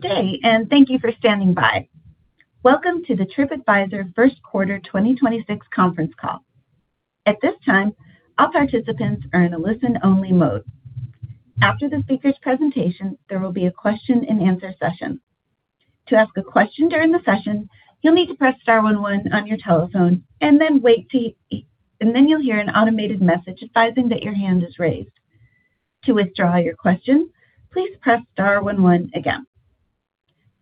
Good day, and thank you for standing by. Welcome to the TripAdvisor first quarter 2026 conference call. At this time, all participants are in a listen-only mode. After the speaker's presentation, there will be a question-and-answer session. To ask a question during the session, you'll need to press star one one on your telephone and then wait. Then you'll hear an automated message advising that your hand is raised. To withdraw your question, please press star one one again.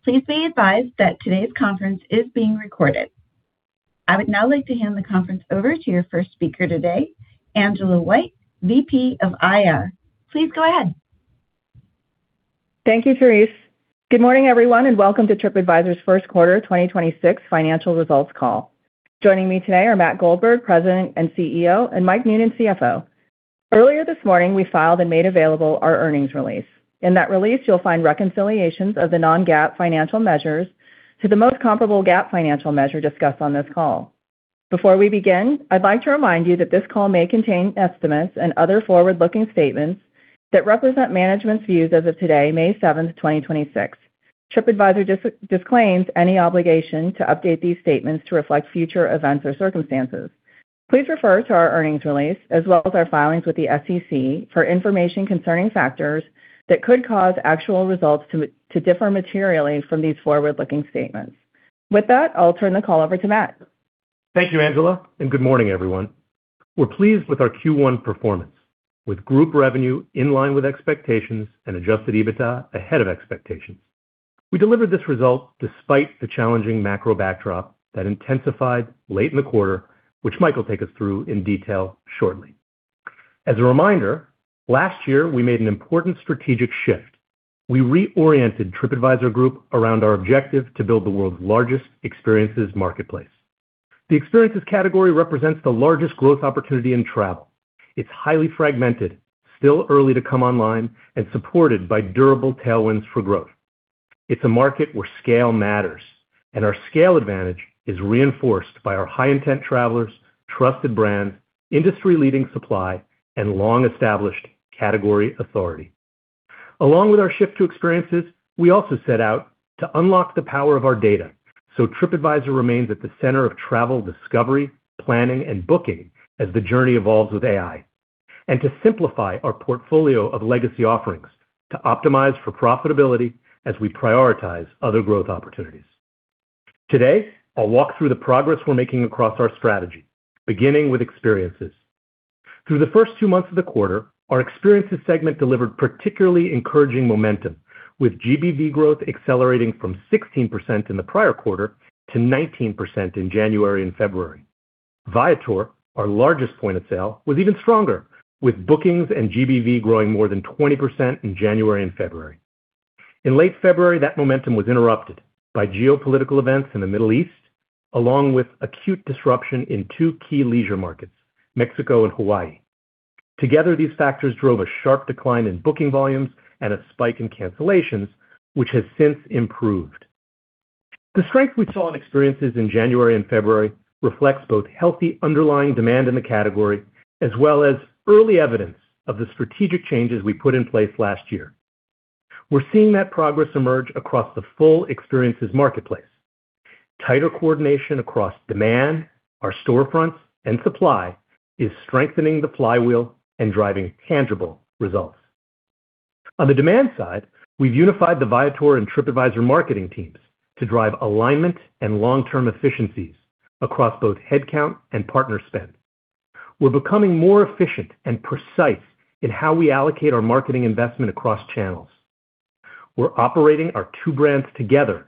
Please be advised that today's conference is being recorded. I would now like to hand the conference over to your first speaker today, Angela White, VP of IR. Please go ahead. Thank you, Therese. Good morning, everyone, and welcome to TripAdvisor's first quarter 2026 financial results call. Joining me today are Matt Goldberg, President and CEO, and Mike Noonan, CFO. Earlier this morning, we filed and made available our earnings release. In that release, you'll find reconciliations of the non-GAAP financial measures to the most comparable GAAP financial measure discussed on this call. Before we begin, I'd like to remind you that this call may contain estimates and other forward-looking statements that represent management's views as of today, May 7, 2026. TripAdvisor disclaims any obligation to update these statements to reflect future events or circumstances. Please refer to our earnings release, as well as our filings with the SEC for information concerning factors that could cause actual results to differ materially from these forward-looking statements. With that, I'll turn the call over to Matt. Thank you, Angela. Good morning, everyone. We're pleased with our Q1 performance, with group revenue in line with expectations and adjusted EBITDA ahead of expectations. We delivered this result despite the challenging macro backdrop that intensified late in the quarter, which Mike will take us through in detail shortly. As a reminder, last year, we made an important strategic shift. We reoriented TripAdvisor Group around our objective to build the world's largest experiences marketplace. The experiences category represents the largest growth opportunity in travel. It's highly fragmented, still early to come online and supported by durable tailwinds for growth. It's a market where scale matters, and our scale advantage is reinforced by our high-intent travelers, trusted brands, industry-leading supply, and long-established category authority. Along with our shift to experiences, we also set out to unlock the power of our data so TripAdvisor remains at the center of travel, discovery, planning, and booking as the journey evolves with AI. To simplify our portfolio of legacy offerings to optimize for profitability as we prioritize other growth opportunities. Today, I'll walk through the progress we're making across our strategy, beginning with experiences. Through the first two months of the quarter, our experiences segment delivered particularly encouraging momentum, with GBV growth accelerating from 16% in the prior quarter to 19% in January and February. Viator, our largest point of sale, was even stronger, with bookings and GBV growing more than 20% in January and February. In late February, that momentum was interrupted by geopolitical events in the Middle East, along with acute disruption in two key leisure markets: Mexico and Hawaii. Together, these factors drove a sharp decline in booking volumes and a spike in cancellations, which has since improved. The strength we saw in experiences in January and February reflects both healthy underlying demand in the category, as well as early evidence of the strategic changes we put in place last year. We're seeing that progress emerge across the full experiences marketplace. Tighter coordination across demand, our storefronts, and supply is strengthening the flywheel and driving tangible results. On the demand side, we've unified the Viator and TripAdvisor marketing teams to drive alignment and long-term efficiencies across both headcount and partner spend. We're becoming more efficient and precise in how we allocate our marketing investment across channels. We're operating our two brands together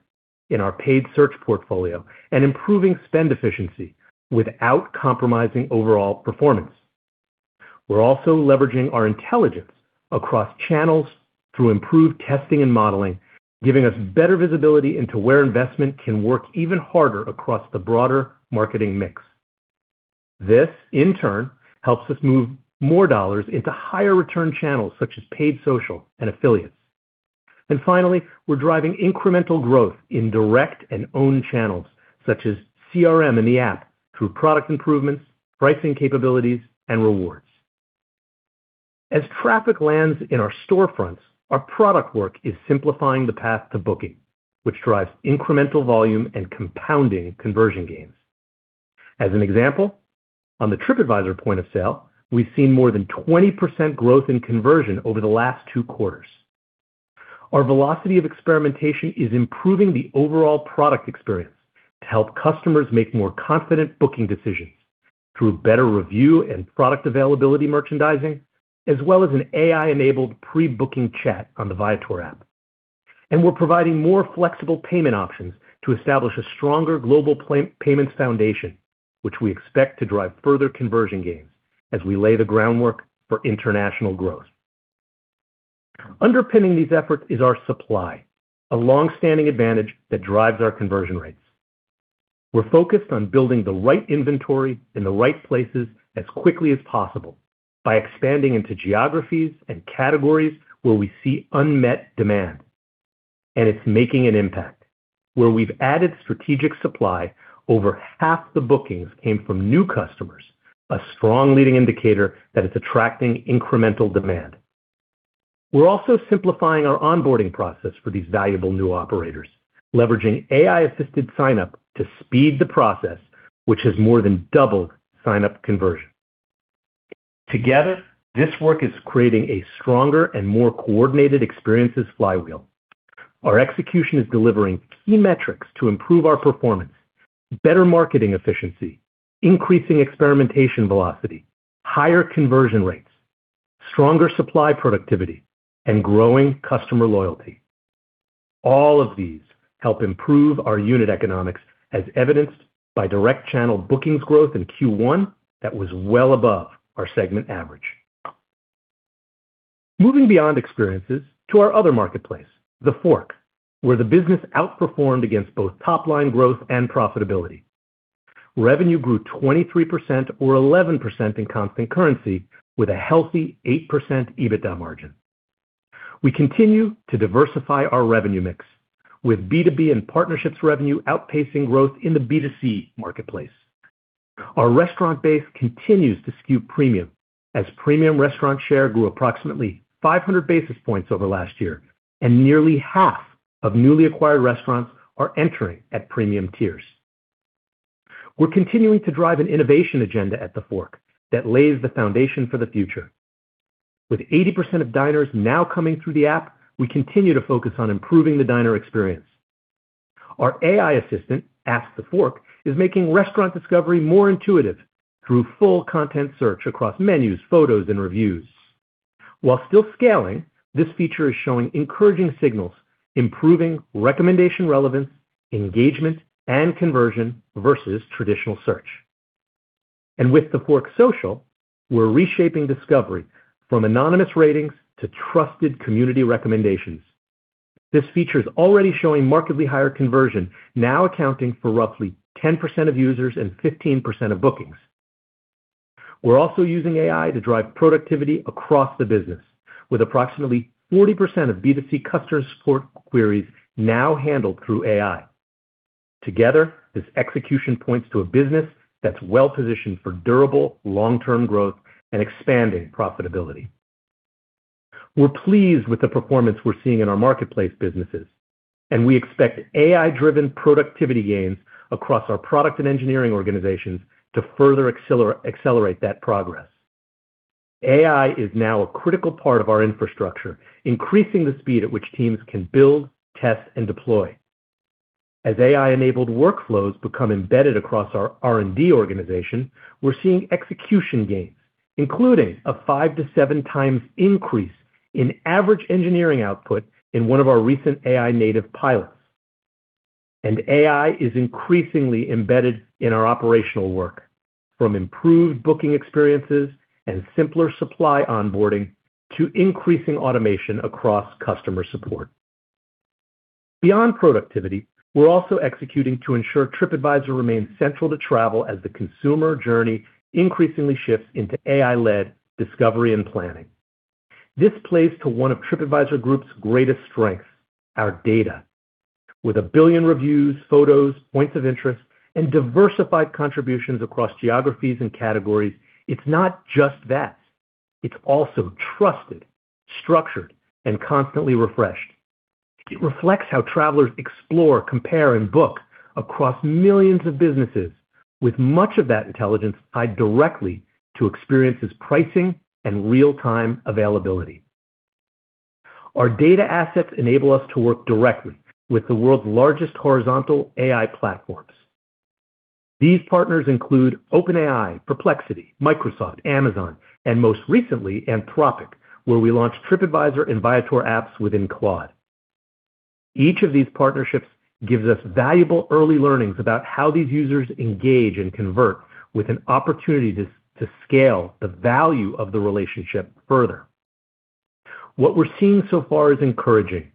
in our paid search portfolio and improving spend efficiency without compromising overall performance. We're also leveraging our intelligence across channels through improved testing and modeling, giving us better visibility into where investment can work even harder across the broader marketing mix. This, in turn, helps us move more dollars into higher return channels such as paid social and affiliates. Finally, we're driving incremental growth in direct and owned channels, such as CRM in the app, through product improvements, pricing capabilities, and rewards. As traffic lands in our storefronts, our product work is simplifying the path to booking, which drives incremental volume and compounding conversion gains. As an example, on the TripAdvisor point of sale, we've seen more than 20% growth in conversion over the last two quarters. Our velocity of experimentation is improving the overall product experience to help customers make more confident booking decisions through better review and product availability merchandising, as well as an AI-enabled pre-booking chat on the Viator app. We're providing more flexible payment options to establish a stronger global payments foundation, which we expect to drive further conversion gains as we lay the groundwork for international growth. Underpinning these efforts is our supply, a long-standing advantage that drives our conversion rates. We're focused on building the right inventory in the right places as quickly as possible by expanding into geographies and categories where we see unmet demand, and it's making an impact. Where we've added strategic supply, over half the bookings came from new customers, a strong leading indicator that it's attracting incremental demand. We're also simplifying our onboarding process for these valuable new operators, leveraging AI-assisted sign-up to speed the process, which has more than doubled sign-up conversion. Together, this work is creating a stronger and more coordinated experiences flywheel. Our execution is delivering key metrics to improve our performance, better marketing efficiency, increasing experimentation velocity, higher conversion rates, stronger supply productivity, and growing customer loyalty. All of these help improve our unit economics, as evidenced by direct channel bookings growth in Q1 that was well above our segment average. Moving beyond experiences to our other marketplace, TheFork, where the business outperformed against both top-line growth and profitability. Revenue grew 23% or 11% in constant currency with a healthy 8% EBITDA margin. We continue to diversify our revenue mix with B2B and partnerships revenue outpacing growth in the B2C marketplace. Our restaurant base continues to skew premium as premium restaurant share grew approximately 500 basis points over last year, and nearly half of newly acquired restaurants are entering at premium tiers. We're continuing to drive an innovation agenda at TheFork that lays the foundation for the future. With 80% of diners now coming through the app, we continue to focus on improving the diner experience. Our AI assistant, Ask TheFork, is making restaurant discovery more intuitive through full content search across menus, photos, and reviews. While still scaling, this feature is showing encouraging signals, improving recommendation relevance, engagement, and conversion versus traditional search. With TheFork Social, we're reshaping discovery from anonymous ratings to trusted community recommendations. This feature is already showing markedly higher conversion, now accounting for roughly 10% of users and 15% of bookings. We're also using AI to drive productivity across the business with approximately 40% of B2C customer support queries now handled through AI. Together, this execution points to a business that's well-positioned for durable long-term growth and expanding profitability. We're pleased with the performance we're seeing in our marketplace businesses. We expect AI-driven productivity gains across our product and engineering organizations to further accelerate that progress. AI is now a critical part of our infrastructure, increasing the speed at which teams can build, test, and deploy. As AI-enabled workflows become embedded across our R&D organization, we're seeing execution gains, including a five to seven times increase in average engineering output in one of our recent AI-native pilots. AI is increasingly embedded in our operational work, from improved booking experiences and simpler supply onboarding to increasing automation across customer support. Beyond productivity, we're also executing to ensure TripAdvisor remains central to travel as the consumer journey increasingly shifts into AI-led discovery and planning. This plays to one of TripAdvisor Group's greatest strengths: our data. With 1 billion reviews, photos, points of interest, and diversified contributions across geographies and categories, it's not just vast, it's also trusted, structured, and constantly refreshed. It reflects how travelers explore, compare, and book across millions of businesses, with much of that intelligence tied directly to experiences, pricing, and real-time availability. Our data assets enable us to work directly with the world's largest horizontal AI platforms. These partners include OpenAI, Perplexity, Microsoft, Amazon, and most recently, Anthropic, where we launched TripAdvisor and Viator apps within Claude. Each of these partnerships gives us valuable early learnings about how these users engage and convert with an opportunity to scale the value of the relationship further. What we're seeing so far is encouraging.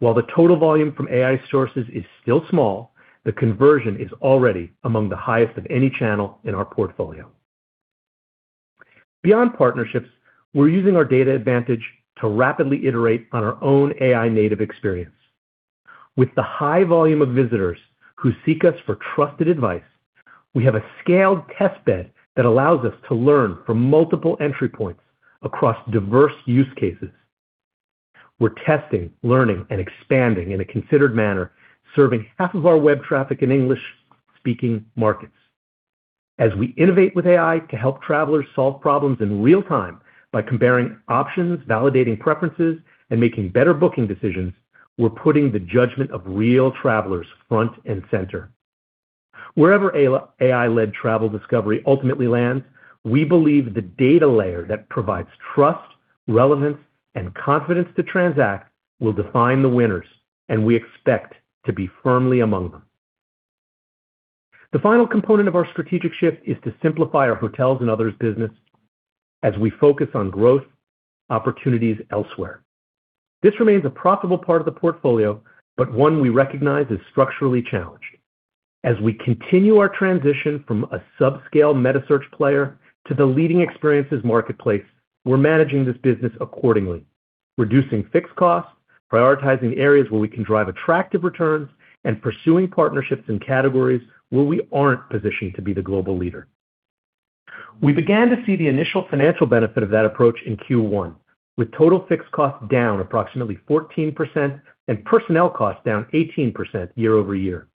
While the total volume from AI sources is still small, the conversion is already among the highest of any channel in our portfolio. Beyond partnerships, we're using our data advantage to rapidly iterate on our own AI-native experience. With the high volume of visitors who seek us for trusted advice, we have a scaled test bed that allows us to learn from multiple entry points across diverse use cases. We're testing, learning, and expanding in a considered manner, serving half of our web traffic in English-speaking markets. As we innovate with AI to help travelers solve problems in real time by comparing options, validating preferences, and making better booking decisions, we're putting the judgment of real travelers front and center. Wherever AI-led travel discovery ultimately lands, we believe the data layer that provides trust, relevance, and confidence to transact will define the winners, and we expect to be firmly among them. The final component of our strategic shift is to simplify our hotels and others business as we focus on growth opportunities elsewhere. This remains a profitable part of the portfolio, but one we recognize is structurally challenged. As we continue our transition from a subscale metasearch player to the leading experiences marketplace, we're managing this business accordingly, reducing fixed costs, prioritizing areas where we can drive attractive returns, and pursuing partnerships in categories where we aren't positioned to be the global leader. We began to see the initial financial benefit of that approach in Q1, with total fixed costs down approximately 14% and personnel costs down 18% year over year.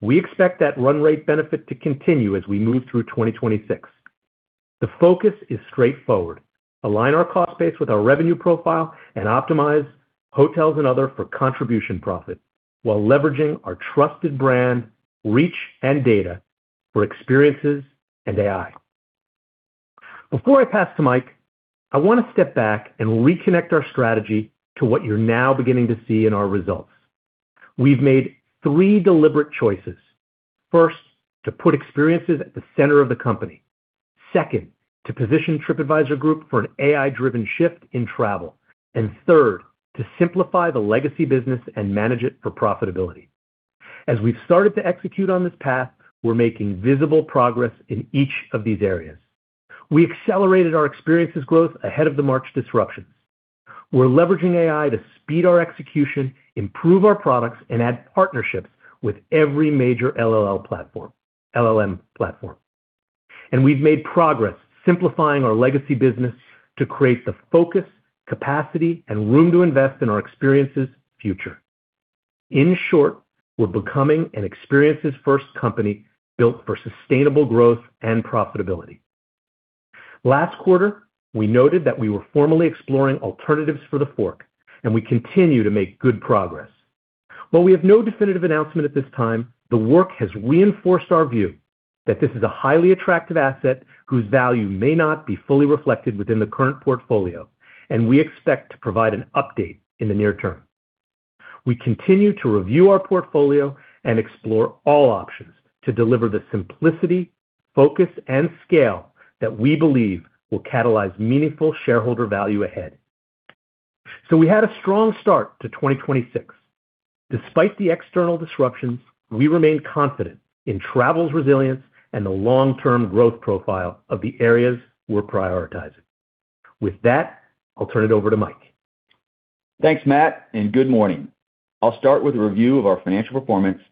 We expect that run rate benefit to continue as we move through 2026. The focus is straightforward: align our cost base with our revenue profile and optimize hotels and other for contribution profit while leveraging our trusted brand, reach, and data for experiences and AI. Before I pass to Mike, I want to step back and reconnect our strategy to what you're now beginning to see in our results. We've made three deliberate choices. First, to put experiences at the center of the company. Second, to position TripAdvisor Group for an AI-driven shift in travel. Third, to simplify the legacy business and manage it for profitability. As we've started to execute on this path, we're making visible progress in each of these areas. We accelerated our experiences growth ahead of the March disruptions. We're leveraging AI to speed our execution, improve our products, and add partnerships with every major LLM platform. We've made progress simplifying our legacy business to create the focus, capacity, and room to invest in our experiences future. In short, we're becoming an experiences-first company built for sustainable growth and profitability. Last quarter, we noted that we were formally exploring alternatives for TheFork, and we continue to make good progress. While we have no definitive announcement at this time, the work has reinforced our view that this is a highly attractive asset whose value may not be fully reflected within the current portfolio, and we expect to provide an update in the near term. We continue to review our portfolio and explore all options to deliver the simplicity, focus, and scale that we believe will catalyze meaningful shareholder value ahead. We had a strong start to 2026. Despite the external disruptions, we remain confident in travel's resilience and the long-term growth profile of the areas we're prioritizing. With that, I'll turn it over to Mike. Thanks, Matt. Good morning. I'll start with a review of our financial performance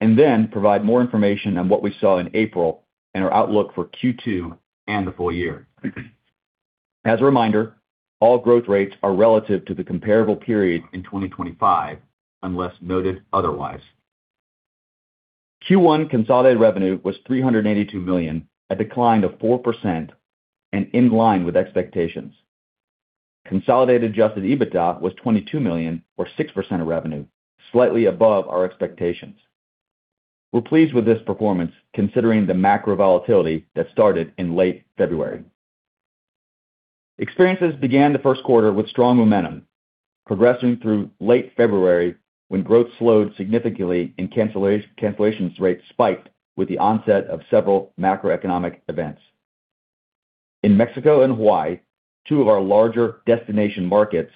and then provide more information on what we saw in April and our outlook for Q2 and the full year. As a reminder, all growth rates are relative to the comparable period in 2025, unless noted otherwise. Q1 consolidated revenue was $382 million, a decline of 4% and in line with expectations. Consolidated Adjusted EBITDA was $22 million or 6% of revenue, slightly above our expectations. We're pleased with this performance considering the macro volatility that started in late February. Experiences began the first quarter with strong momentum, progressing through late February when growth slowed significantly and cancellations rates spiked with the onset of several macroeconomic events. In Mexico and Hawaii, two of our larger destination markets,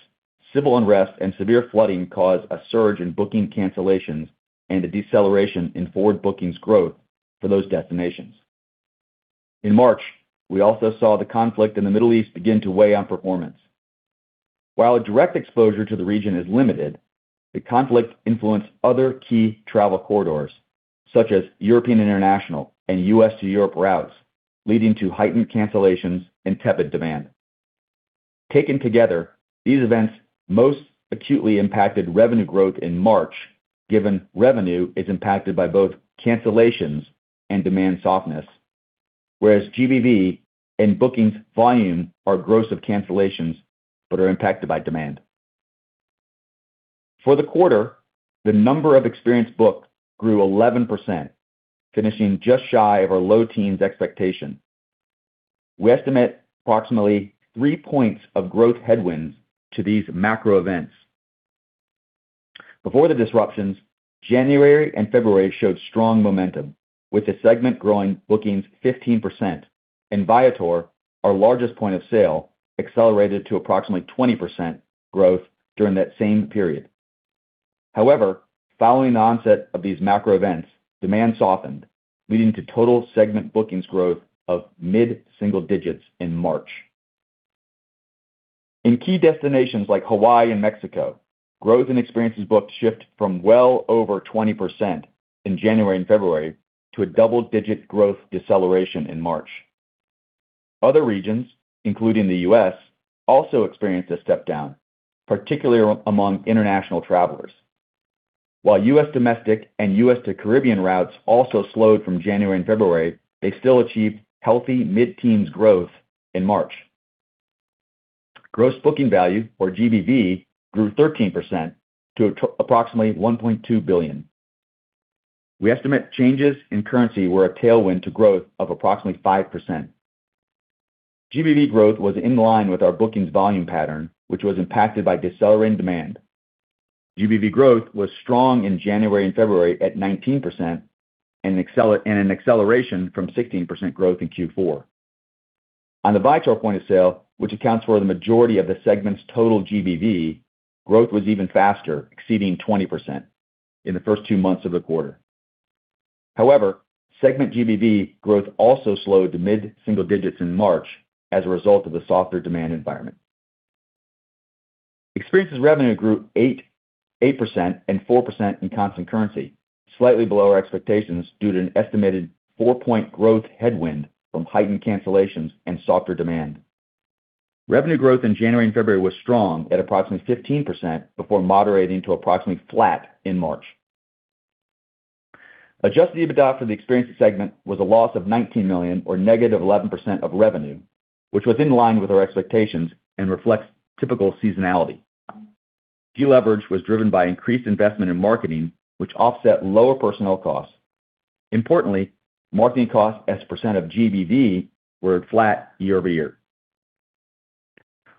civil unrest and severe flooding caused a surge in booking cancellations and a deceleration in forward bookings growth for those destinations. In March, we also saw the conflict in the Middle East begin to weigh on performance. While a direct exposure to the region is limited, the conflict influenced other key travel corridors, such as European International and U.S. to Europe routes, leading to heightened cancellations and tepid demand. Taken together, these events most acutely impacted revenue growth in March, given revenue is impacted by both cancellations and demand softness. GBV and bookings volume are gross of cancellations, but are impacted by demand. For the quarter, the number of experience booked grew 11%, finishing just shy of our low teens expectation. We estimate approximately three points of growth headwinds to these macro events. Before the disruptions, January and February showed strong momentum, with the segment growing bookings 15%, and Viator, our largest point of sale, accelerated to approximately 20% growth during that same period. However, following the onset of these macro events, demand softened, leading to total segment bookings growth of mid-single digits in March. In key destinations like Hawaii and Mexico, growth and experiences booked shift from well over 20% in January and February to a double-digit growth deceleration in March. Other regions, including the U.S., also experienced a step down, particularly among international travelers. While U.S. domestic and U.S. to Caribbean routes also slowed from January and February, they still achieved healthy mid-teens growth in March. Gross booking value, or GBV, grew 13% to approximately $1.2 billion. We estimate changes in currency were a tailwind to growth of approximately 5%. GBV growth was in line with our bookings volume pattern, which was impacted by decelerating demand. GBV growth was strong in January and February at 19% and an acceleration from 16% growth in Q4. On the Viator point of sale, which accounts for the majority of the segment's total GBV, growth was even faster, exceeding 20% in the first two months of the quarter. However, segment GBV growth also slowed to mid-single digits in March as a result of the softer demand environment. Experiences revenue grew 8% and 4% in constant currency, slightly below our expectations due to an estimated four-point growth headwind from heightened cancellations and softer demand. Revenue growth in January and February was strong at approximately 15% before moderating to approximately flat in March. Adjusted EBITDA for the experiences segment was a loss of $19 million, or -11% of revenue, which was in line with our expectations and reflects typical seasonality. De-leverage was driven by increased investment in marketing, which offset lower personnel costs. Importantly, marketing costs as a percent of GBV were flat year-over-year.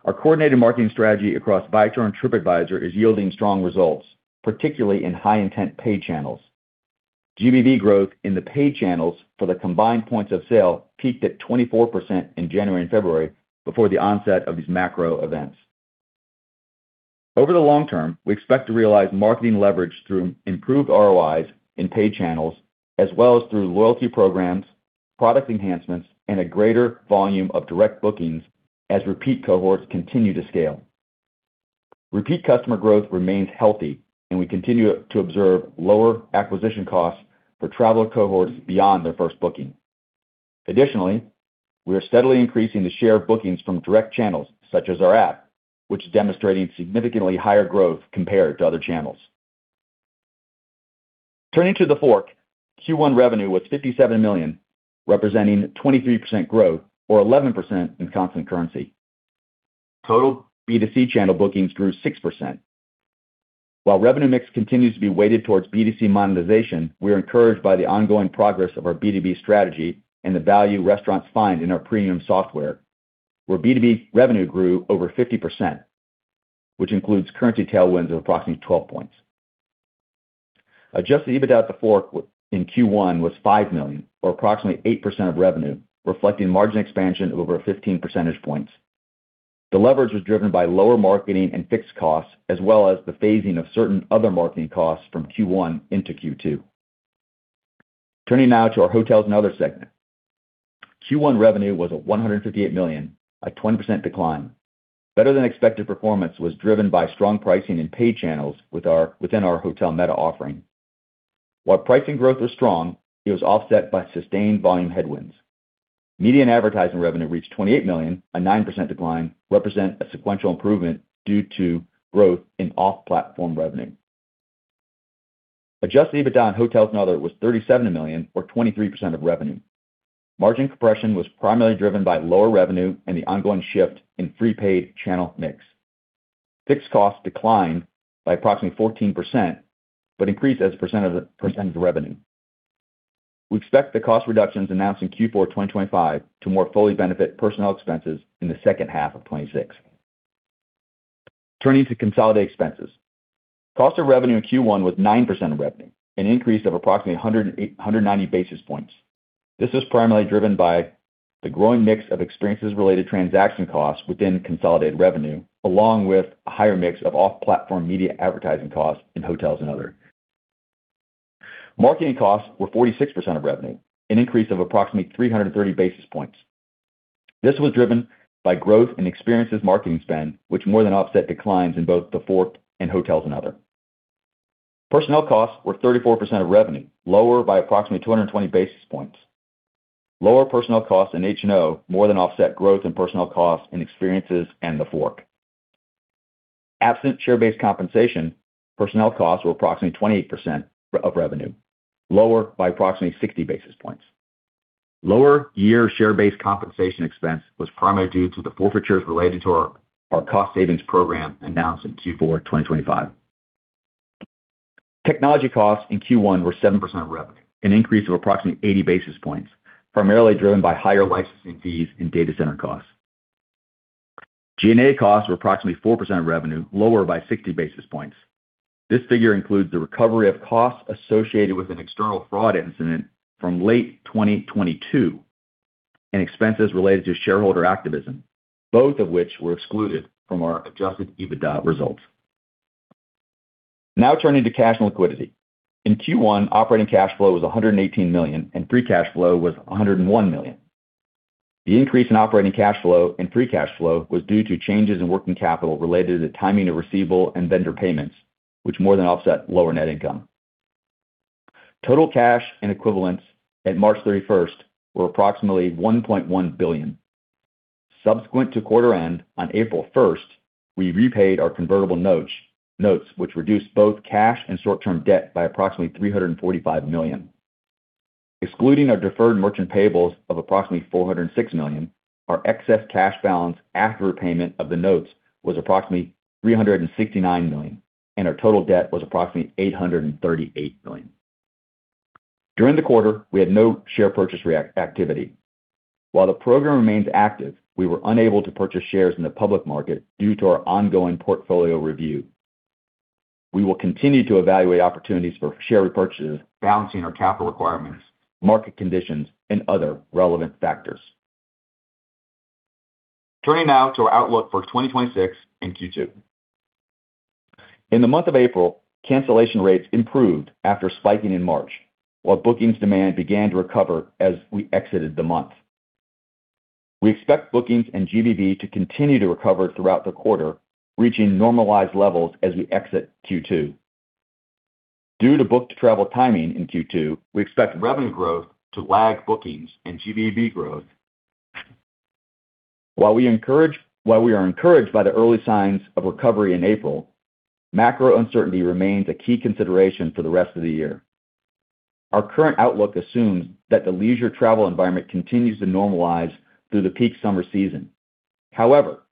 Our coordinated marketing strategy across Viator and TripAdvisor is yielding strong results, particularly in high-intent pay channels. GBV growth in the pay channels for the combined points of sale peaked at 24% in January and February before the onset of these macro events. Over the long term, we expect to realize marketing leverage through improved ROIs in pay channels as well as through loyalty programs, product enhancements, and a greater volume of direct bookings as repeat cohorts continue to scale. Repeat customer growth remains healthy, and we continue to observe lower acquisition costs for traveler cohorts beyond their first booking. Additionally, we are steadily increasing the share of bookings from direct channels such as our app, which is demonstrating significantly higher growth compared to other channels. Turning to TheFork, Q1 revenue was $57 million, representing 23% growth, or 11% in constant currency. Total B2C channel bookings grew 6%. While revenue mix continues to be weighted towards B2C monetization, we are encouraged by the ongoing progress of our B2B strategy and the value restaurants find in our premium software, where B2B revenue grew over 50%, which includes currency tailwinds of approximately 12 points. Adjusted EBITDA at TheFork in Q1 was $5 million, or approximately 8% of revenue, reflecting margin expansion of over 15 percentage points. The leverage was driven by lower marketing and fixed costs as well as the phasing of certain other marketing costs from Q1 into Q2. Turning now to our Hotels and Other segment. Q1 revenue was at $158 million, a 20% decline. Better than expected performance was driven by strong pricing in paid channels within our hotel meta offering. While pricing growth was strong, it was offset by sustained volume headwinds. Media advertising revenue reached $28 million, a 9% decline, represent a sequential improvement due to growth in off-platform revenue. Adjusted EBITDA in Hotels and Other was $37 million or 23% of revenue. Margin compression was primarily driven by lower revenue and the ongoing shift in free paid channel mix. Fixed costs declined by approximately 14%, but increased as a percent of revenue. We expect the cost reductions announced in Q4 2025 to more fully benefit personnel expenses in the second half of 2026. Turning to consolidated expenses. Cost of revenue in Q1 was 9% of revenue, an increase of approximately 190 basis points. This was primarily driven by the growing mix of experiences related transaction costs within consolidated revenue, along with a higher mix of off-platform media advertising costs in hotels and other. Marketing costs were 46% of revenue, an increase of approximately 330 basis points. This was driven by growth in experiences marketing spend, which more than offset declines in both TheFork and hotels and other. Personnel costs were 34% of revenue, lower by approximately 220 basis points. Lower personnel costs in H&O more than offset growth in personnel costs and experiences in TheFork. Absent share-based compensation, personnel costs were approximately 28% of revenue, lower by approximately 60 basis points. Lower year share-based compensation expense was primarily due to the forfeitures related to our cost savings program announced in Q4 2025. Technology costs in Q1 were 7% of revenue, an increase of approximately 80 basis points, primarily driven by higher licensing fees and data center costs. G&A costs were approximately 4% of revenue, lower by 60 basis points. This figure includes the recovery of costs associated with an external fraud incident from late 2022 and expenses related to shareholder activism, both of which were excluded from our adjusted EBITDA results. Turning to cash and liquidity. In Q1, operating cash flow was $118 million, and free cash flow was $101 million. The increase in operating cash flow and free cash flow was due to changes in working capital related to the timing of receivable and vendor payments, which more than offset lower net income. Total cash and equivalents at March 31st were approximately $1.1 billion. Subsequent to quarter end on April 1st, we repaid our convertible notes which reduced both cash and short-term debt by approximately $345 million. Excluding our deferred merchant payables of approximately $406 million, our excess cash balance after repayment of the notes was approximately $369 million, and our total debt was approximately $838 million. During the quarter, we had no share purchase activity. While the program remains active, we were unable to purchase shares in the public market due to our ongoing portfolio review. We will continue to evaluate opportunities for share repurchases, balancing our capital requirements, market conditions, and other relevant factors. Turning now to our outlook for 2026 and Q2. In the month of April, cancellation rates improved after spiking in March, while bookings demand began to recover as we exited the month. We expect bookings and GBV to continue to recover throughout the quarter, reaching normalized levels as we exit Q2. Due to book-to-travel timing in Q2, we expect revenue growth to lag bookings and GBV growth. While we are encouraged by the early signs of recovery in April, macro uncertainty remains a key consideration for the rest of the year. Our current outlook assumes that the leisure travel environment continues to normalize through the peak summer season. However,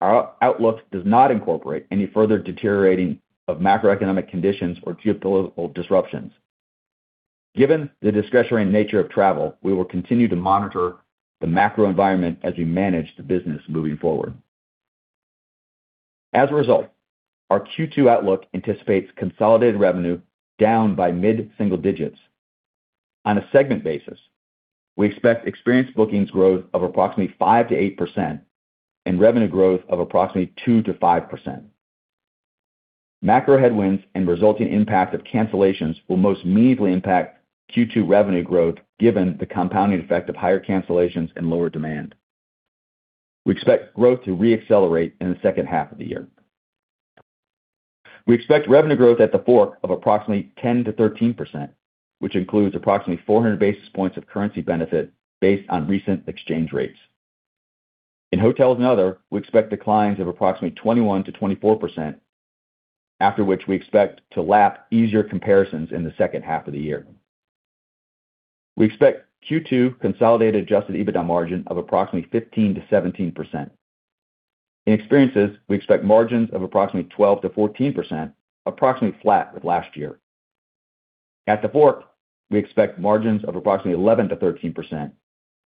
our outlook does not incorporate any further deteriorating of macroeconomic conditions or geopolitical disruptions. Given the discretionary nature of travel, we will continue to monitor the macro environment as we manage the business moving forward. As a result, our Q2 outlook anticipates consolidated revenue down by mid-single digits. On a segment basis, we expect experienced bookings growth of approximately 5%-8% and revenue growth of approximately 2%-5%. Macro headwinds and resulting impact of cancellations will most immediately impact Q2 revenue growth given the compounding effect of higher cancellations and lower demand. We expect growth to re-accelerate in the second half of the year. We expect revenue growth at TheFork of approximately 10%-13%, which includes approximately 400 basis points of currency benefit based on recent exchange rates. In hotels and other, we expect declines of approximately 21%-24%, after which we expect to lap easier comparisons in the second half of the year. We expect Q2 consolidated adjusted EBITDA margin of approximately 15%-17%. In experiences, we expect margins of approximately 12%-14%, approximately flat with last year. At TheFork, we expect margins of approximately 11%-13%,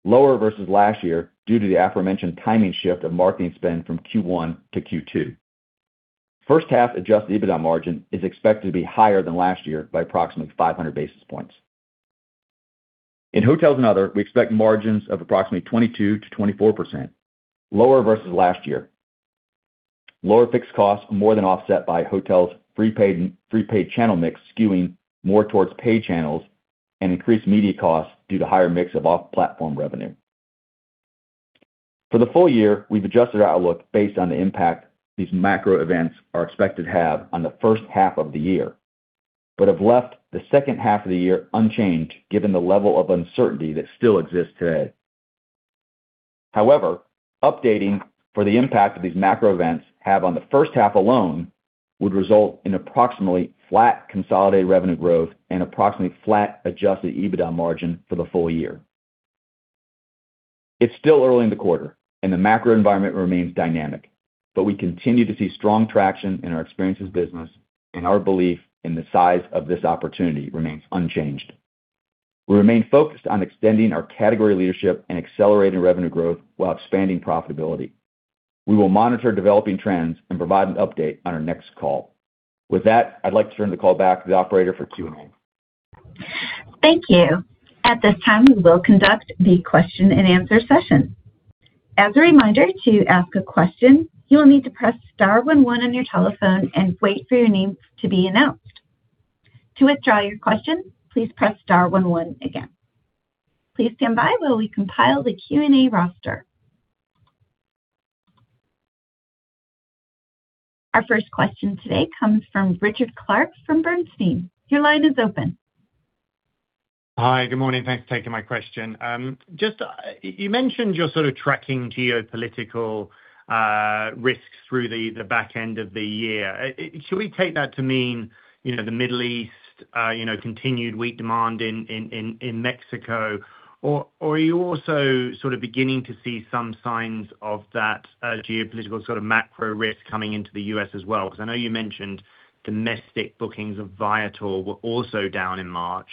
lower versus last year due to the aforementioned timing shift of marketing spend from Q1 to Q2. First half adjusted EBITDA margin is expected to be higher than last year by approximately 500 basis points. In hotels and other, we expect margins of approximately 22%-24%, lower versus last year. Lower fixed costs more than offset by hotels free paid channel mix skewing more towards paid channels and increased media costs due to higher mix of off-platform revenue. For the full year, we've adjusted our outlook based on the impact these macro events are expected to have on the first half of the year, but have left the second half of the year unchanged given the level of uncertainty that still exists today. Updating for the impact of these macro events have on the first half alone would result in approximately flat consolidated revenue growth and approximately flat adjusted EBITDA margin for the full year. It's still early in the quarter, and the macro environment remains dynamic, but we continue to see strong traction in our experiences business, and our belief in the size of this opportunity remains unchanged. We remain focused on extending our category leadership and accelerating revenue growth while expanding profitability. We will monitor developing trends and provide an update on our next call. With that, I'd like to turn the call back to the operator for Q&A. Thank you. At this time, we will conduct the question-and-answer session. As a reminder, to ask a question, you will need to press star one one on your telephone and wait for your name to be announced. To withdraw your question, please press star one one again. Please stand by while we compile the Q&A roster. Our first question today comes from Richard Clarke from Bernstein. Your line is open. Hi. Good morning. Thanks for taking my question. Just you mentioned you're sort of tracking geopolitical risks through the back end of the year. Should we take that to mean, you know, the Middle East, you know, continued weak demand in Mexico, or are you also sort of beginning to see some signs of that geopolitical sort of macro risk coming into the U.S. as well? Because I know you mentioned domestic bookings of Viator were also down in March.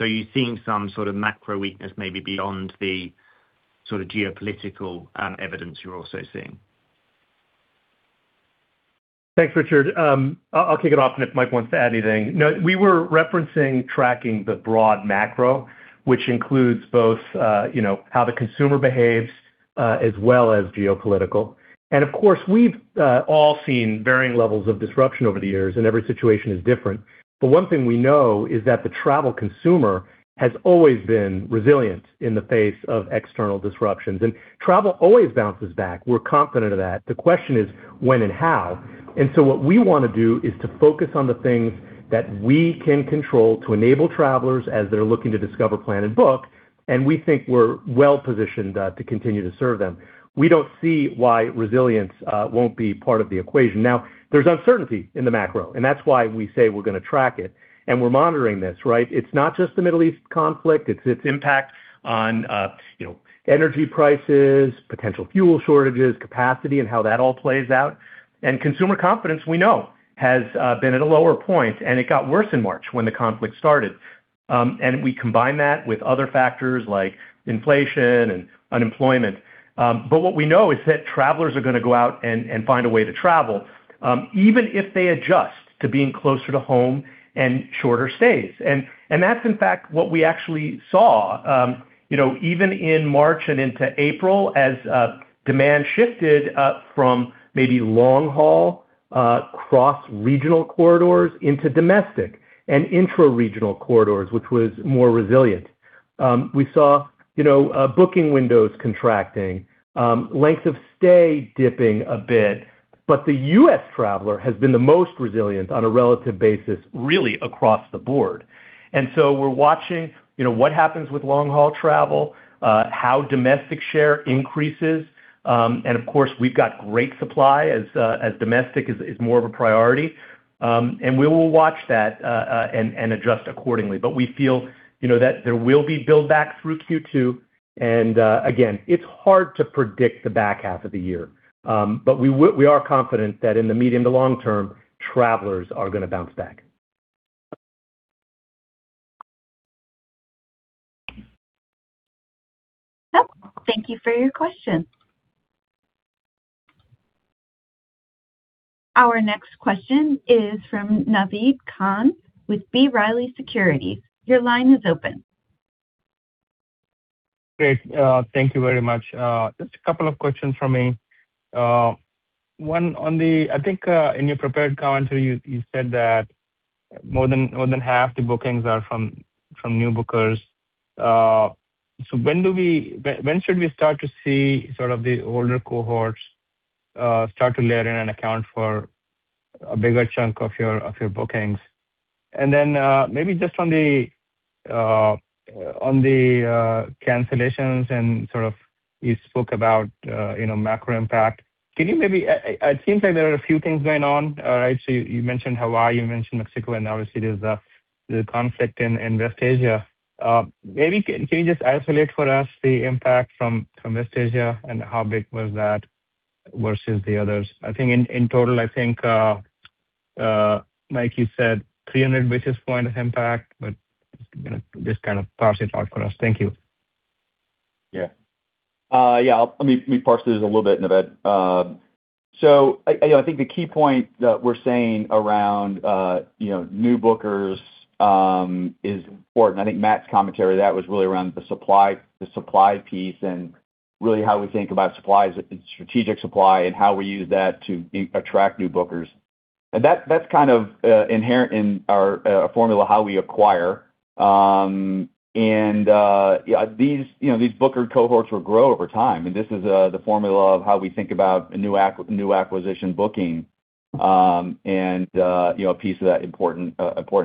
Are you seeing some sort of macro weakness maybe beyond the sort of geopolitical evidence you're also seeing? Thanks, Richard. I'll kick it off, and if Mike wants to add anything. No, we were referencing tracking the broad macro, which includes both, you know, how the consumer behaves, as well as geopolitical. Of course, we've all seen varying levels of disruption over the years, and every situation is different. One thing we know is that the travel consumer has always been resilient in the face of external disruptions. Travel always bounces back. We're confident of that. The question is when and how. What we wanna do is to focus on the things that we can control to enable travelers as they're looking to discover, plan, and book, and we think we're well-positioned to continue to serve them. We don't see why resilience won't be part of the equation. There's uncertainty in the macro, and that's why we say we're gonna track it, and we're monitoring this, right? It's not just the Middle East conflict, it's its impact on, you know, energy prices, potential fuel shortages, capacity, and how that all plays out. Consumer confidence, we know, has been at a lower point, and it got worse in March when the conflict started. We combine that with other factors like inflation and unemployment. What we know is that travelers are gonna go out and find a way to travel, even if they adjust to being closer to home and shorter stays. That's in fact what we actually saw, you know, even in March and into April as demand shifted from maybe long haul, cross-regional corridors into domestic and intra-regional corridors, which was more resilient. We saw, you know, booking windows contracting, length of stay dipping a bit. The U.S. traveler has been the most resilient on a relative basis, really across the board. We're watching, you know, what happens with long-haul travel, how domestic share increases. Of course, we've got great supply as domestic is more of a priority. We will watch that and adjust accordingly. We feel, you know, that there will be build back through Q2. Again, it's hard to predict the back half of the year. We are confident that in the medium to long term, travelers are gonna bounce back. Oh, thank you for your question. Our next question is from Naved Khan with B. Riley Securities. Your line is open. Great. Thank you very much. Just a couple of questions from me. One on the-- I think, in your prepared commentary, you said that more than half the bookings are from new bookers. When do we-- when should we start to see sort of the older cohorts start to layer in and account for a bigger chunk of your bookings? Maybe just on the cancellations and sort of you spoke about, you know, macro impact. Can you maybe-- it seems like there are a few things going on, right? You mentioned Hawaii, you mentioned Mexico, and obviously there's the conflict in West Asia. maybe can you just isolate for us the impact from West Asia and how big was that versus the others? I think in total, I think, like you said, 300 basis point of impact, but just kind of parse it out for us. Thank you. Yeah. Yeah. Let me parse this a little bit, Naved. I, you know, I think the key point that we're saying around, you know, new bookers, is important. I think Matt's commentary, that was really around the supply piece and really how we think about supply as strategic supply and how we use that to attract new bookers. That, that's kind of inherent in our formula, how we acquire. Yeah, these, you know, these booker cohorts will grow over time, and this is the formula of how we think about a new acquisition booking, and, you know, a piece of that important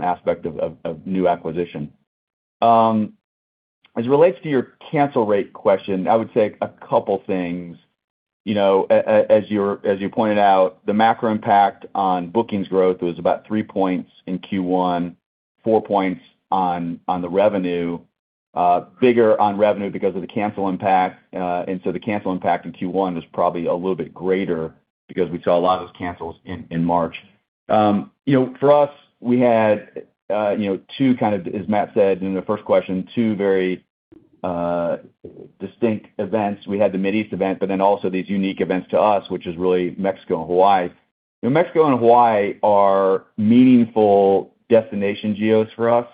aspect of new acquisition. As it relates to your cancel rate question, I would say a couple things. You know, as you pointed out, the macro impact on bookings growth was about three points in Q1, four points on the revenue, bigger on revenue because of the cancel impact. The cancel impact in Q1 is probably a little bit greater because we saw a lot of those cancels in March. You know, for us, we had, you know, two kind of, as Matt Goldberg said in the first question, two very distinct events. We had the Mid East event, also these unique events to us, which is really Mexico and Hawaii. You know, Mexico and Hawaii are meaningful destination geos for us.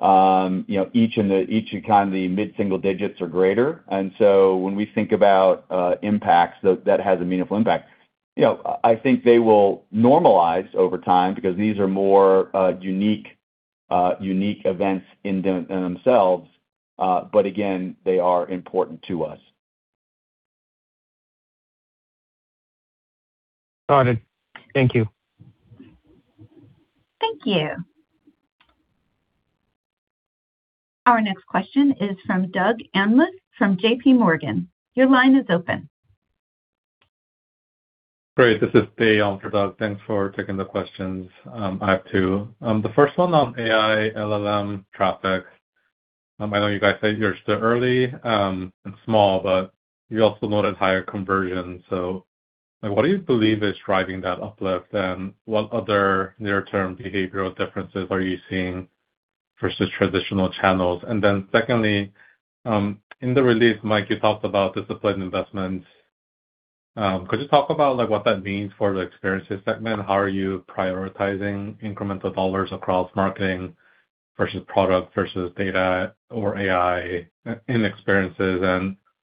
You know, each in, kind of, the mid-single digits or greater. When we think about impacts, that has a meaningful impact. You know, I think they will normalize over time because these are more unique events in themselves. Again, they are important to us. Got it. Thank you. Thank you. Our next question is from Doug Anmuth from JPMorgan. Your line is open. Great. This is [Dae] on for Doug. Thanks for taking the questions. I have two. The first one on AI LLM traffic. I know you guys said you're still early and small, but you also noted higher conversion. What do you believe is driving that uplift, and what other near-term behavioral differences are you seeing versus traditional channels? Secondly, in the release, Mike, you talked about disciplined investments. Could you talk about what that means for the experiences segment? How are you prioritizing incremental dollars across marketing versus product versus data or AI in experiences?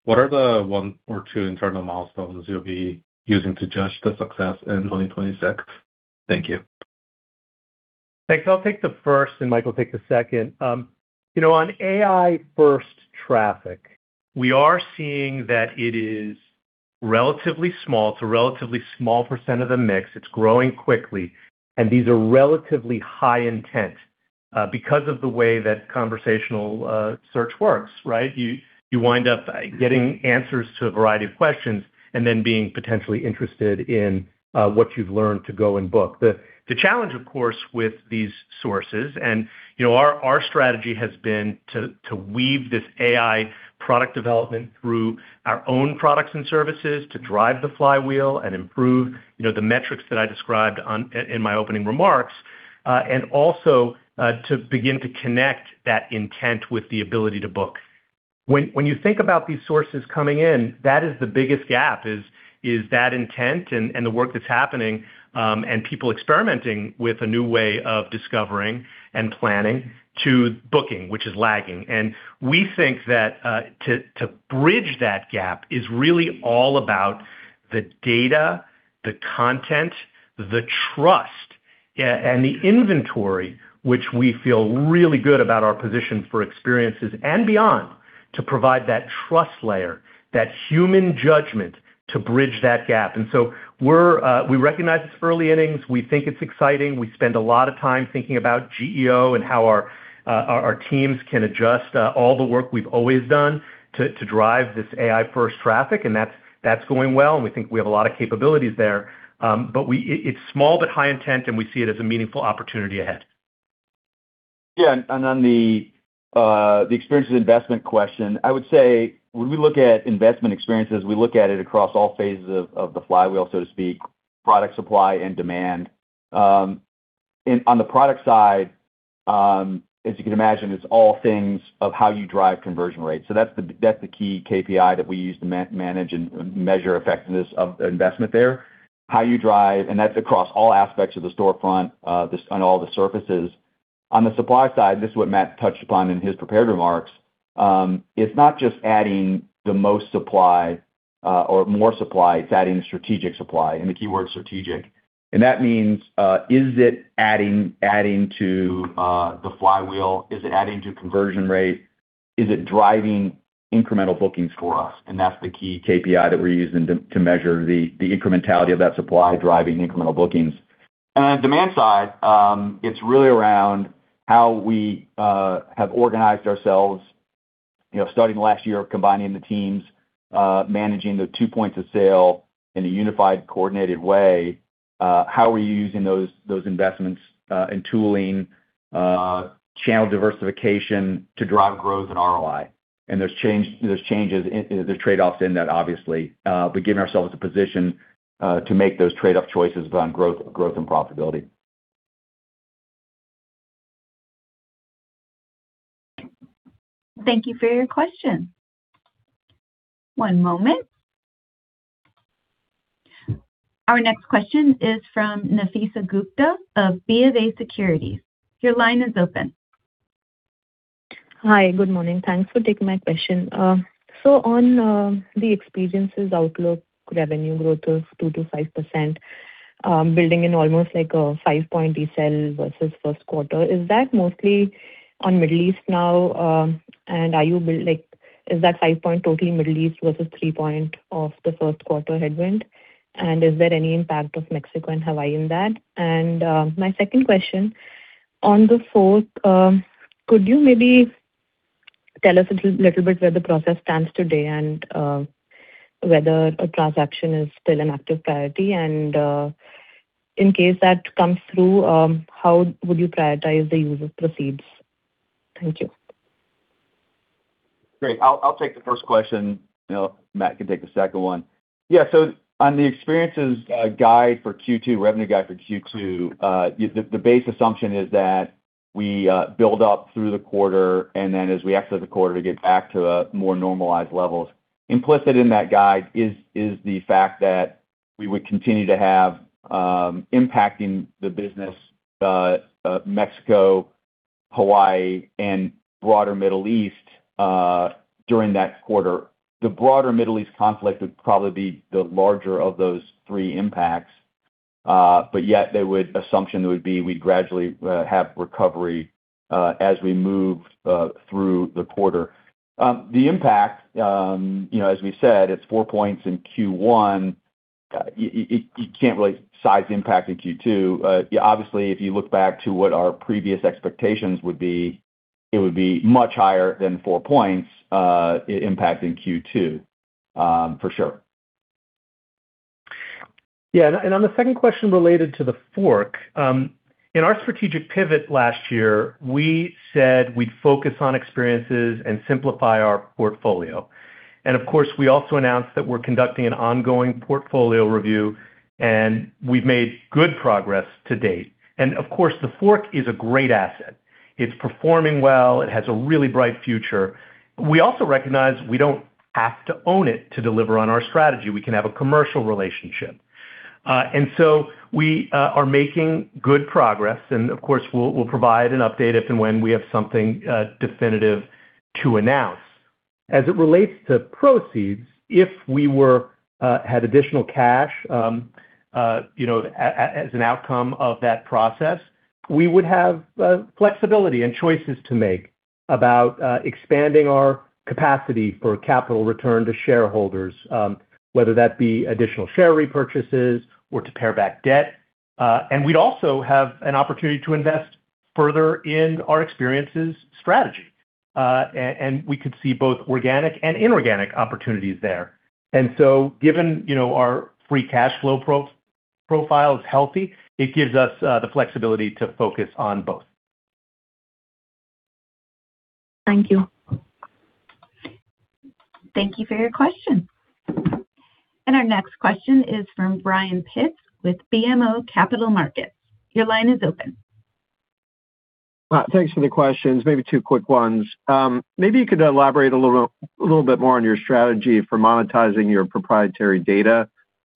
What are the one or two internal milestones you'll be using to judge the success in 2026? Thank you. Thanks. I'll take the first, and Mike will take the second. You know, on AI first traffic, we are seeing that it is relatively small. It's a relatively small % of the mix. It's growing quickly, and these are relatively high intent because of the way that conversational search works, right? You wind up getting answers to a variety of questions and then being potentially interested in what you've learned to go and book. The challenge, of course, with these sources and, you know, our strategy has been to weave this AI product development through our own products and services to drive the flywheel and improve, you know, the metrics that I described in my opening remarks, and also to begin to connect that intent with the ability to book. When you think about these sources coming in, that is the biggest gap, is that intent and the work that's happening, and people experimenting with a new way of discovering and planning to booking, which is lagging. We think that, to bridge that gap is really all about the data, the content, the trust, and the inventory, which we feel really good about our position for experiences and beyond, to provide that trust layer, that human judgment to bridge that gap. We recognize it's early innings. We think it's exciting. We spend a lot of time thinking about GEO and how our teams can adjust, all the work we've always done to drive this AI-first traffic. That's, that's going well, and we think we have a lot of capabilities there. It's small but high intent, and we see it as a meaningful opportunity ahead. Yeah. On the experiences investment question, I would say when we look at investment experiences, we look at it across all phases of the flywheel, so to speak, product supply and demand. On the product side, as you can imagine, it's all things of how you drive conversion rates. That's the key KPI that we use to manage and measure effectiveness of the investment there. That's across all aspects of the storefront, this on all the surfaces. On the supply side, this is what Matt touched upon in his prepared remarks, it's not just adding the most supply or more supply, it's adding strategic supply, the key word is strategic. That means, is it adding to the flywheel? Is it adding to conversion rate? Is it driving incremental bookings for us? That's the key KPI that we're using to measure the incrementality of that supply driving incremental bookings. On the demand side, it's really around how we have organized ourselves, you know, starting last year, combining the teams, managing the two points of sale in a unified, coordinated way. How are we using those investments in tooling, channel diversification to drive growth and ROI. There's trade-offs in that, obviously. Giving ourselves the position to make those trade-off choices around growth and profitability. Thank you for your question. One moment. Our next question is from Nafeesa Gupta of BofA Securities. Your line is open. Hi. Good morning. Thanks for taking my question. On the experiences outlook revenue growth of 2%-5%, building in almost like a five point detail versus first quarter, is that mostly on Middle East now? Like, is that five point total in Middle East versus three point of the first quarter headwind? Is there any impact of Mexico and Hawaii in that? My second question, on TheFork, could you maybe tell us a little bit where the process stands today and whether a transaction is still an active priority? In case that comes through, how would you prioritize the use of proceeds? Thank you. Great. I'll take the first question, you know, Matt can take the second one. On the Experiences guide for Q2, revenue guide for Q2, the base assumption is that we build up through the quarter, and then as we exit the quarter, to get back to a more normalized levels. Implicit in that guide is the fact that we would continue to have impact in the business, Mexico, Hawaii, and broader Middle East during that quarter. The broader Middle East conflict would probably be the larger of those three impacts, yet assumption would be we'd gradually have recovery as we move through the quarter. The impact, you know, as we said, it's four points in Q1. You can't really size the impact in Q2. Obviously, if you look back to what our previous expectations would be, it would be much higher than points, impact in Q2, for sure. Yeah. On the second question related to TheFork, in our strategic pivot last year, we said we'd focus on experiences and simplify our portfolio. Of course, we also announced that we're conducting an ongoing portfolio review, and we've made good progress to date. Of course, TheFork is a great asset. It's performing well. It has a really bright future. We also recognize we don't have to own it to deliver on our strategy. We can have a commercial relationship. We are making good progress, and of course, we'll provide an update if and when we have something definitive to announce. As it relates to proceeds, if we were had additional cash, you know, as an outcome of that process, we would have flexibility and choices to make about expanding our capacity for capital return to shareholders, whether that be additional share repurchases or to pare back debt. We'd also have an opportunity to invest further in our experiences strategy. We could see both organic and inorganic opportunities there. Given, you know, our free cash flow profile is healthy, it gives us the flexibility to focus on both. Thank you. Thank you for your question. Our next question is from Brian Pitz with BMO Capital Markets. Your line is open. Thanks for the questions. Maybe two quick ones. Maybe you could elaborate a little bit more on your strategy for monetizing your proprietary data,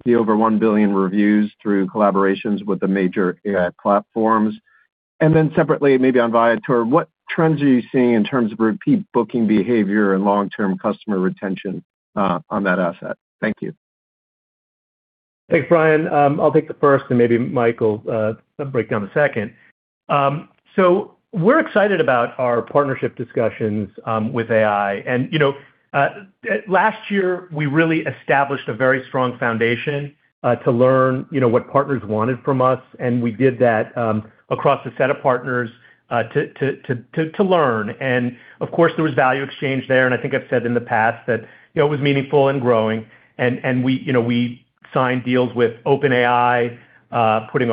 the over 1 billion reviews through collaborations with the major AI platforms. Separately, maybe on Viator, what trends are you seeing in terms of repeat booking behavior and long-term customer retention on that asset? Thank you. Thanks, Brian. I'll take the first and maybe Mike will break down the second. We're excited about our partnership discussions with AI. You know, last year, we really established a very strong foundation to learn, you know, what partners wanted from us, and we did that across a set of partners to learn. Of course, there was value exchange there, and I think I've said in the past that, you know, it was meaningful and growing. We, you know, we signed deals with OpenAI, putting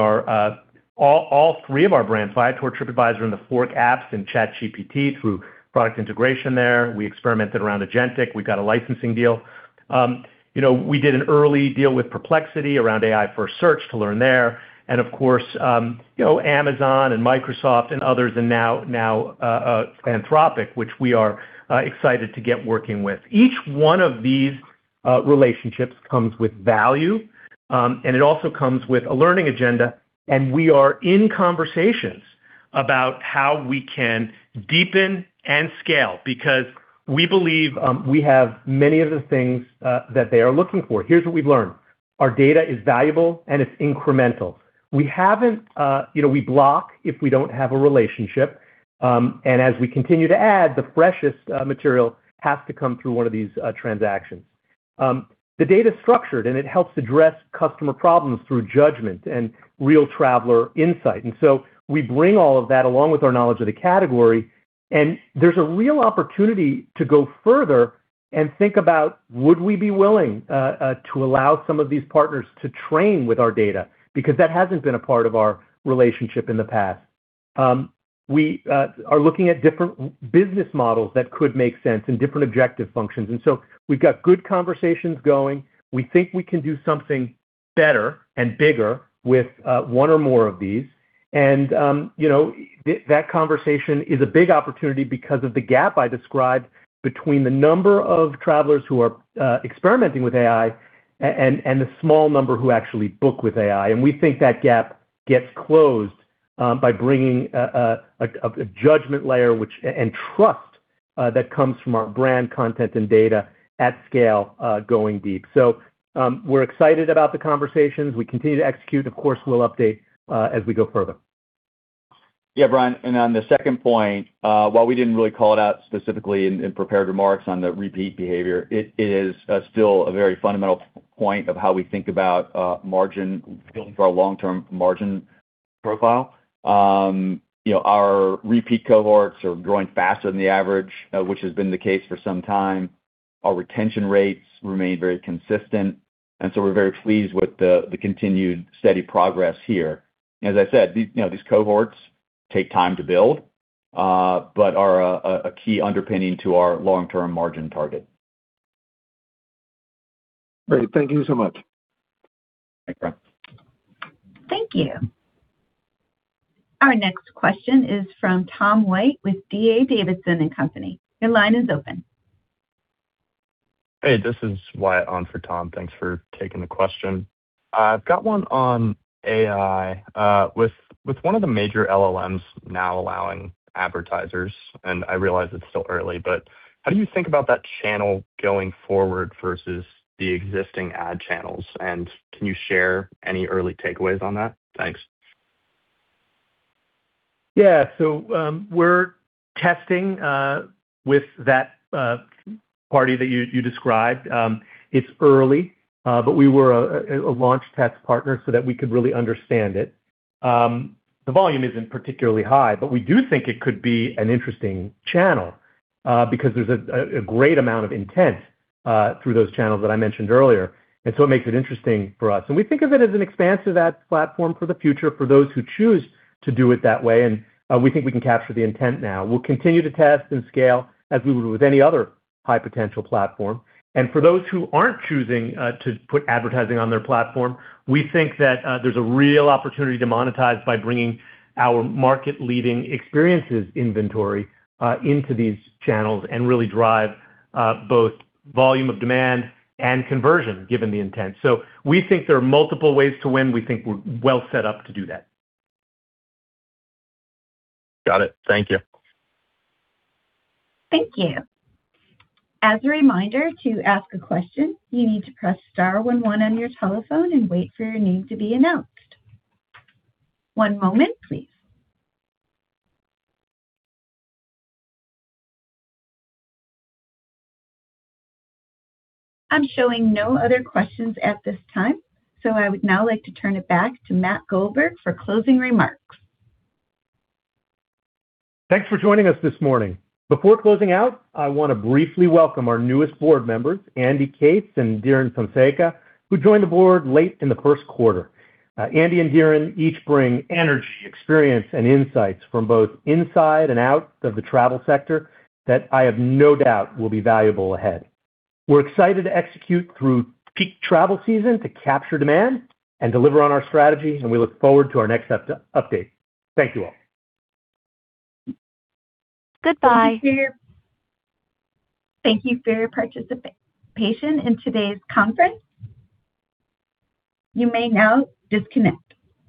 our all three of our brands, Viator, TripAdvisor in TheFork apps and ChatGPT through product integration there. We experimented around agentic. We got a licensing deal. You know, we did an early deal with Perplexity around AI first search to learn there. Of course, you know, Amazon and Microsoft and others, and now Anthropic, which we are excited to get working with. Each one of these relationships comes with value, and it also comes with a learning agenda, and we are in conversations about how we can deepen and scale because we believe we have many of the things that they are looking for. Here's what we've learned. Our data is valuable, and it's incremental. We haven't. You know, we block if we don't have a relationship, and as we continue to add, the freshest material has to come through one of these transactions. The data's structured, and it helps address customer problems through judgment and real traveler insight. We bring all of that along with our knowledge of the category, and there's a real opportunity to go further and think about, would we be willing to allow some of these partners to train with our data? Because that hasn't been a part of our relationship in the past. We are looking at different business models that could make sense and different objective functions. We've got good conversations going. We think we can do something better and bigger with one or more of these. You know, that conversation is a big opportunity because of the gap I described between the number of travelers who are experimenting with AI and the small number who actually book with AI. We think that gap gets closed by bringing a judgment layer and trust that comes from our brand, content and data at scale, going deep. We're excited about the conversations. We continue to execute. Of course, we'll update as we go further. Brian. On the second point, while we didn't really call it out specifically in prepared remarks on the repeat behavior, it is still a very fundamental point of how we think about margin building for our long-term margin profile. You know, our repeat cohorts are growing faster than the average, which has been the case for some time. Our retention rates remain very consistent, and so we're very pleased with the continued steady progress here. As I said, you know, these cohorts take time to build, but are a key underpinning to our long-term margin target. Great. Thank you so much. Thanks, Brian. Thank you. Our next question is from Tom White with D.A. Davidson & Co. Your line is open. Hey, this is Wyatt on for Tom. Thanks for taking the question. I've got one on AI. With one of the major LLMs now allowing advertisers, and I realize it's still early, but how do you think about that channel going forward versus the existing ad channels? Can you share any early takeaways on that? Thanks. We're testing with that party that you described. It's early, but we were a launch test partner so that we could really understand it. The volume isn't particularly high, but we do think it could be an interesting channel because there's a great amount of intent through those channels that I mentioned earlier. It makes it interesting for us. We think of it as an expanse of that platform for the future for those who choose to do it that way, and we think we can capture the intent now. We'll continue to test and scale as we would with any other high potential platform. For those who aren't choosing to put advertising on their platform, we think that there's a real opportunity to monetize by bringing our market leading experiences inventory into these channels and really drive both volume of demand and conversion, given the intent. We think there are multiple ways to win. We think we're well set up to do that. Got it. Thank you. Thank you. As a reminder, to ask a question, you need to press star one one on your telephone and wait for your name to be announced. One moment, please. I'm showing no other questions at this time. I would now like to turn it back to Matt Goldberg for closing remarks. Thanks for joining us this morning. Before closing out, I wanna briefly welcome our newest board members, Andrew Cates and Dhiren Fonseca, who joined the board late in the first quarter. Andrew and Dhiren each bring energy, experience, and insights from both inside and out of the travel sector that I have no doubt will be valuable ahead. We're excited to execute through peak travel season to capture demand and deliver on our strategy, we look forward to our next up-update. Thank you all. Goodbye. Thank you for your participation in today's conference. You may now disconnect.